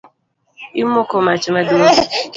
Imoko mach maduong